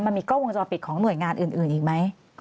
มันมีกล้องวงจรปิดของหน่วยงานอื่นอีกไหม